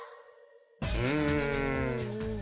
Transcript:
うん。